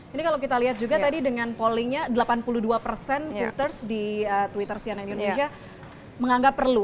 ini kalau kita lihat juga tadi dengan pollingnya delapan puluh dua persen twitters di twitter cnn indonesia menganggap perlu